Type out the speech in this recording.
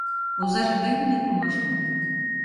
Озаже тый лийнет улмаш мо?